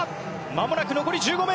まもなく残り１５ｍ。